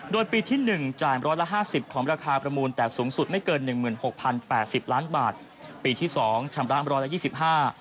โดยปีที่หนึ่งจ่ายร้อยละห้าสิบของราคาประมูลแต่สูงสุดไม่เกินหนึ่งหมื่นหกพันแปดสิบล้านบาทปีที่สองชำระร้อยละยี่สิบห้า